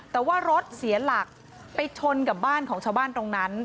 แต่ว่ารถเสียหลักไปชนกับบ้านของชาวบ้านตรงนั้น